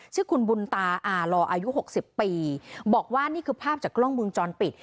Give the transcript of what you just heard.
ชื่อคุณบุญตาอาลออายุหกสิบปีบอกว่านี่คือภาพจากกล้องมุมจรปิด